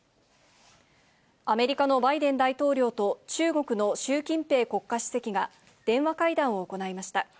アメリカのバイデン大統領と、中国の習近平国家主席が電話会談を行いました。